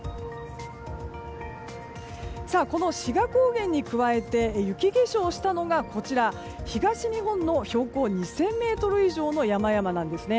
この志賀高原に加えて雪化粧をしたのが東日本の標高２０００ｍ以上の山々です。